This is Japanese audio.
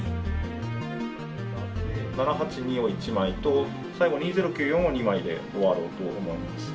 ７８２を１枚と最後２０９４を２枚で終わろうと思います。